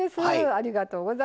ありがとうございます。